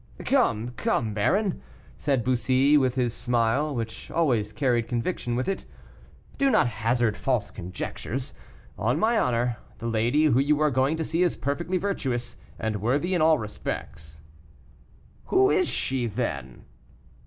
"Come, come, baron!" said Bussy, with his smile, which always carried conviction with it, "do not hazard false conjectures. On my honor, the lady who you are going to see is perfectly virtuous and worthy in all respects." "Who is she then?"